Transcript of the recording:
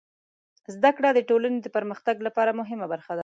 زدهکړه د ټولنې د پرمختګ لپاره مهمه برخه ده.